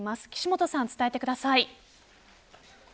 岸本さん、伝えてください。